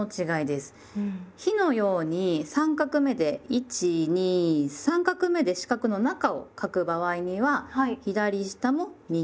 「日」のように３画目で１２３画目で四角の中を書く場合には左下も右下も下に出します。